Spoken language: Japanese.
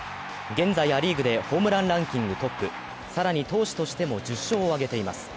現在、ア・リーグでホームランランキングトップ更に投手としても１０勝を挙げています。